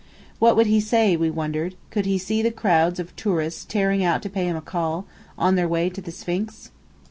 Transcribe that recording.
What would he say, we wondered, could he see the crowds of tourists tearing out to pay him a call, on their way to the Sphinx?